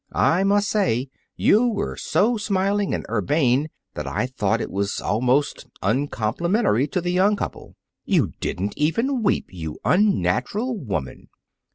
I must say you were so smiling and urbane that I thought it was almost uncomplimentary to the young couple. You didn't even weep, you unnatural woman!"